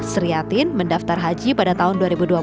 seriatin mendaftar haji pada tahun dua ribu dua belas